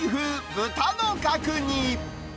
豚の角煮。